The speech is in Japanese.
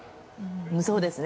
そうですね。